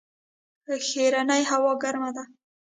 ښرنې هوا ګرمه ده؟